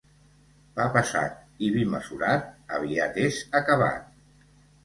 Pa pesat i vi mesurat, aviat és acabat.